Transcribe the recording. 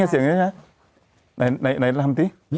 มีเสียงใช่ไหมคะ